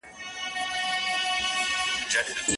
لکه پاتا ته وي راغلي پخوانۍ سندري